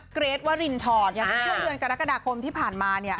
เกรทว่ารินทรช่วงเดือนกับรักษฎาคมที่ผ่านมา